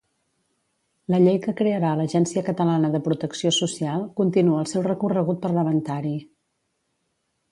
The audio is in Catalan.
La llei que crearà l'Agència Catalana de Protecció Social continua el seu recorregut parlamentari.